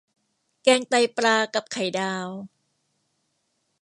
แกงไตปลากับไข่ดาว